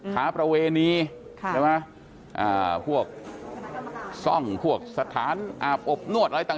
ค้าประเวณีใช่ไหมพวกซ่องพวกสถานอาบอบนวดอะไรต่าง